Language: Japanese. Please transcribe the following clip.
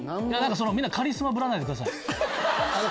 みんなカリスマぶらないでください。